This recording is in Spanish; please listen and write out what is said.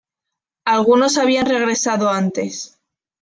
Algunos habían regresado antes.